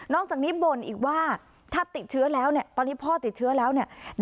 อกจากนี้บ่นอีกว่าถ้าติดเชื้อแล้วเนี่ยตอนนี้พ่อติดเชื้อแล้วเนี่ย